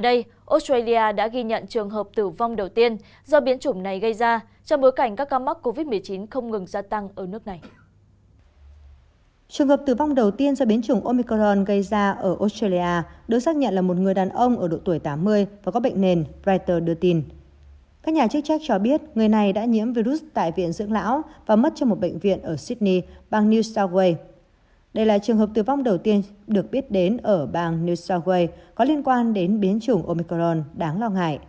đây là trường hợp tử vong đầu tiên được biết đến ở bang new south wales có liên quan đến biến chủng omicron đáng lo ngại